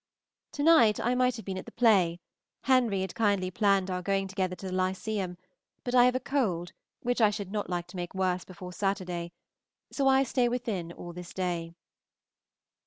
To night I might have been at the play; Henry had kindly planned our going together to the Lyceum, but I have a cold which I should not like to make worse before Saturday, so I stay within all this day.